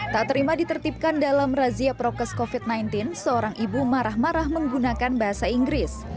tak terima ditertipkan dalam razia prokes covid sembilan belas seorang ibu marah marah menggunakan bahasa inggris